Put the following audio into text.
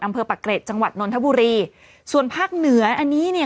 ปะเกร็ดจังหวัดนนทบุรีส่วนภาคเหนืออันนี้เนี่ย